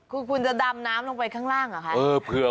คือคุณจะดำน้ำลงไปข้างล่างเหรอคะ